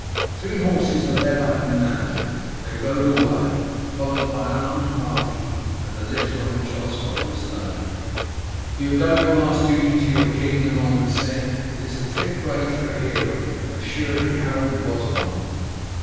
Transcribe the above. Three horses were led up and mounted. They rode away, followed by an armed party and the litter on which Osgod was laid. "You have done your last duty to your king," the Norman said. "It is a fit grave for a hero, and assuredly Harold was one.